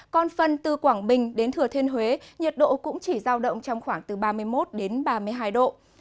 còn phần từ quảng bình đến thừa thiên huế nhiệt độ cũng chỉ giao động trong khoảng từ ba mươi một đến ba mươi hai độ